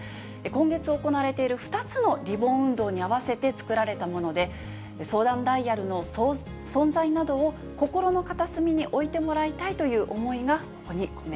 今月行われている２つのリボン運動に合わせて作られたもので、相談ダイヤルの存在などを心の片隅に置いてもらいたいという思い